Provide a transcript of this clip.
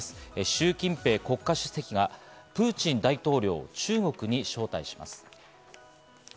シュウ・キンペイ国家主席がプーチン大統領を中国に招待します。